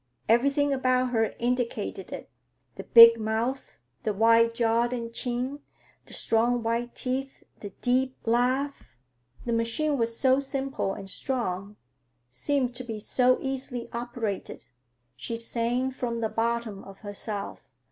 Everything about her indicated it,—the big mouth, the wide jaw and chin, the strong white teeth, the deep laugh. The machine was so simple and strong, seemed to be so easily operated. She sang from the bottom of herself.